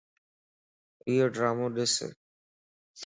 ايو ڊرامو ڏس